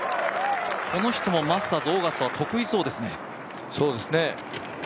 この人もマスターズオーガスタは得意そうですね。